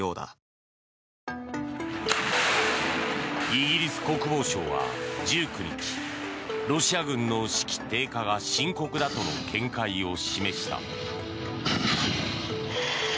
イギリス国防省は１９日ロシア軍の士気低下が深刻だとの見解を示した。